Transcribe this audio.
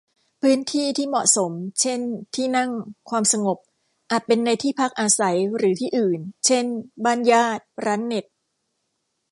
พื้นที่ที่เหมาะสม เช่น ที่นั่ง ความสงบ อาจเป็นในที่พักอาศัยหรือที่อื่น เช่น บ้านญาติ ร้านเน็ต